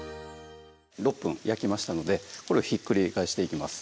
６分焼きましたのでこれをひっくり返していきます